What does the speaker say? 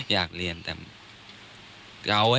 อยากเรียนแต่